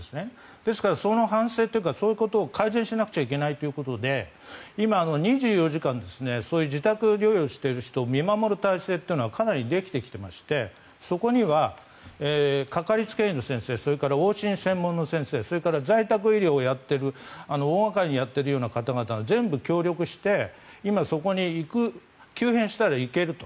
ですからその反省というかそういうことを改善しなければいけないということで今、２４時間そういう自宅療養している人を見守る体制がかなりできてきていましてそこにはかかりつけ医の先生それから往診専門の先生それから在宅医療をしている大掛かりにやっているような方々が全部、協力してそこに行く。急変したら行けると。